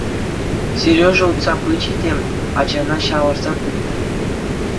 Сережа утса пычӗ те ачана ҫавӑрса тытрӗ.